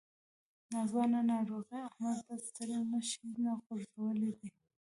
ناځوانه ناروغۍ احمد له ستړي مشي نه غورځولی دی.